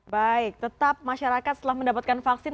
baik tetap masyarakat setelah mendapatkan vaksin